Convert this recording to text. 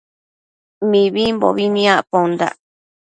Mibimbobi nicpondac